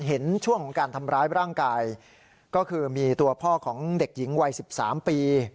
เห็นช่วงของการทำร้ายร่างกายก็คือมีตัวพ่อของเด็กหญิงวัย๑๓ปี